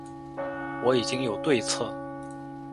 我已经有对策